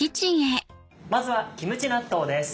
まずはキムチ納豆です。